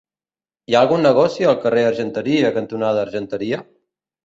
Hi ha algun negoci al carrer Argenteria cantonada Argenteria?